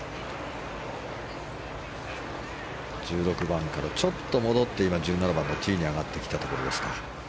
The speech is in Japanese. １６番からちょっと戻って１７番のティーに上がってきたところです。